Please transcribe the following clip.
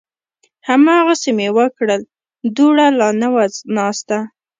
هماغسې مې وکړل، دوړه لا نه وه ناسته